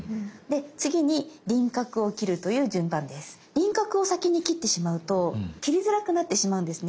輪郭を先に切ってしまうと切りづらくなってしまうんですね。